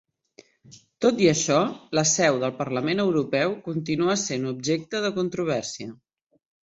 Tot i això, la seu del Parlament Europeu continua sent objecte de controvèrsia.